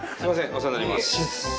お世話になります。